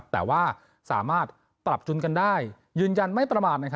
แต่ว่าสามารถปรับทุนกันได้ยืนยันไม่ประมาท